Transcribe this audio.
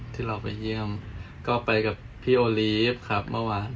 ที่เราไปเยี่ยมก็ไปกับพี่โอลีฟครับเมื่อวาน